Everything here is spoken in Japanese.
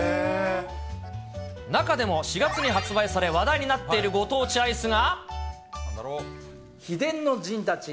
中でも４月に発売され、話題になっているご当地アイスが。